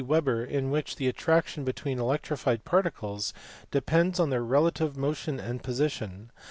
Weber, in which the attraction between electrified particles depends on their relative motion and position.